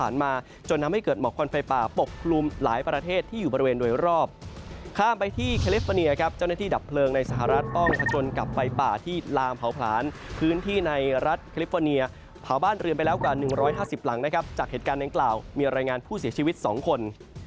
ในประเภทคลิปฟอร์เนียผ่าบ้านเรือนไปแล้วกว่า๑๕๐หลังจากเหตุการณ์แหลงกล่าวมีรายงานผู้เสียชีวิต๒คน